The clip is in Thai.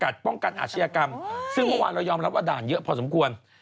ป้องกันอาชญากรรมซึ่งเมื่อวานเรายอมรับว่าด่านเยอะพอสมควร